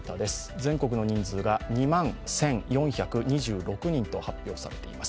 全国の人数が２万１４２６人と発表されています。